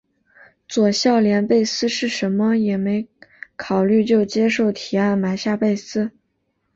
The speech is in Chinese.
佐孝连贝斯是甚么也没考虑就接受提案买下贝斯。